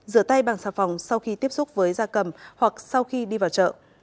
rửa tay bằng xà phòng sau khi tiếp xúc với da cầm hoặc sau khi đi vào chợ